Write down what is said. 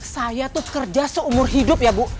saya tuh kerja seumur hidup ya bu